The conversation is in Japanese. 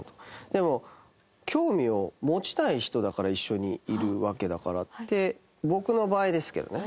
でも興味を持ちたい人だから一緒にいるわけだからって僕の場合ですけどね。